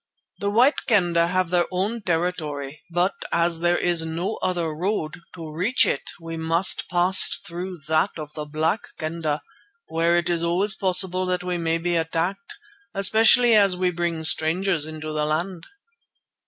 The White Kendah have their own territory; but as there is no other road, to reach it we must pass through that of the Black Kendah, where it is always possible that we may be attacked, especially as we bring strangers into the land."